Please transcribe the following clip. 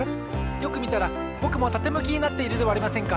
よくみたらぼくもたてむきになっているではありませんか！